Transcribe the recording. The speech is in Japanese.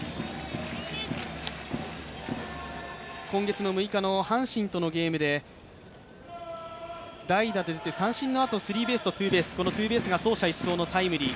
今月の６日の阪神とのゲームで、代打で打って、三振のあとスリーベースとツーベース、このツーベースが走者一掃のタイムリー。